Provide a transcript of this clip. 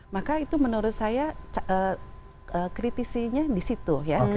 maka itu menurut saya kritisinya di situ ya